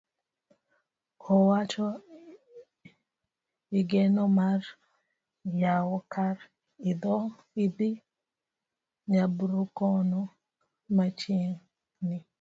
Owacho igeno mar yawo kar idho nyaburkono machiegni.